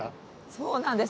そうなんです。